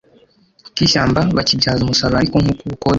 K ishyamba bakibyaza umusaruro ariko nk uko ubukonde